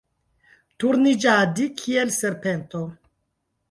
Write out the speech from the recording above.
Turniĝadi kiel serpento.